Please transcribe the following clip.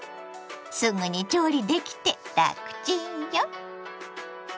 すぐに調理できてラクチンよ。